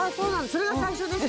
それが最初ですか？